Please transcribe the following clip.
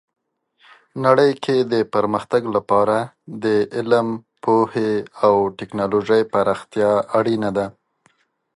نړۍ کې د پرمختګ لپاره د علم، پوهې او ټیکنالوژۍ پراختیا اړینه ده.